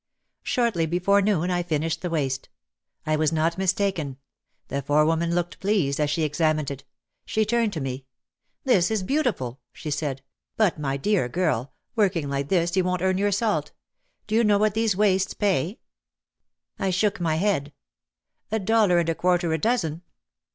Shortly before noon I finished the waist. I was not mistaken. The forewoman looked pleased as she ex amined it. She turned to me. "This is beautiful !" she said. "But, my dear girl, working like this you won't earn your salt. Do you know what these waists pay?" 288 OUT OF THE SHADOW I shook my head. "A dollar and a quarter a dozen."